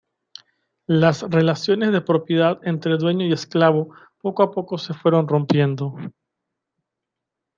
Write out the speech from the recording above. Las relaciones de propiedad entre dueño y esclavo poco a poco se fueron rompiendo.